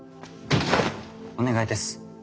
お願いです。